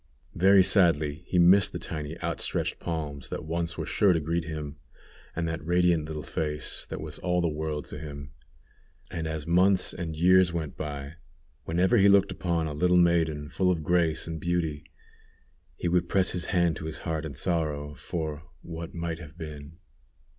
Very sadly he missed the tiny outstretched hands that once were sure to greet him, and that radiant little face that was all the world to him; and as months and years went by, whenever he looked upon a little maiden full of grace and beauty, he would press his hand to his heart in sorrow, for "what might have been."